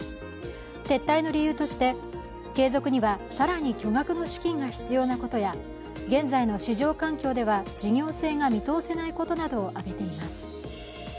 撤退の理由として、継続には更に巨額の資金が必要なことや現在の市場環境では事業性が見通せないことなどをあげています。